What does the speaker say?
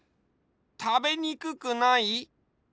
たべにくくない？